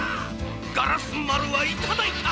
ガラスまるはいただいた！